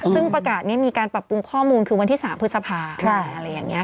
ซึ่งประกาศนี้มีการปรับปรุงข้อมูลคือวันที่๓พฤษภาอะไรอย่างนี้